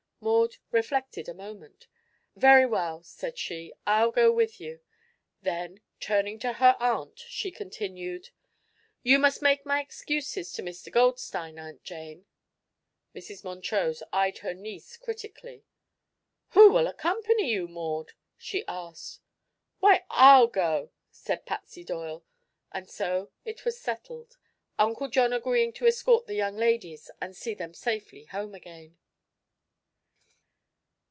Maud reflected a moment. "Very well," said she, "I'll go with you." Then, turning to her aunt, she continued: "You must make my excuses to Mr. Goldstein, Aunt Jane." Mrs. Montrose eyed her niece critically. "Who will accompany you, Maud?" she asked. "Why, I'll go," said Patsy Doyle; and so it was settled, Uncle John agreeing to escort the young ladies and see them safely home again.